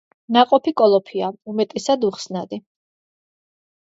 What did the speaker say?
ნაყოფი კოლოფია, უმეტესად უხსნადი.